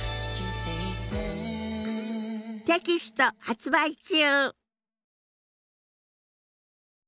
テキスト発売中。